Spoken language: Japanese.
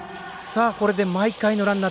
これで毎回のランナー。